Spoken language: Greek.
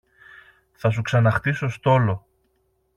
Θα σου ξαναχτίσω στόλο